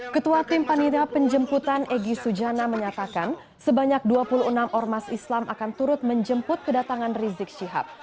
ketua tim panitia penjemputan egy sujana menyatakan sebanyak dua puluh enam ormas islam akan turut menjemput kedatangan rizik syihab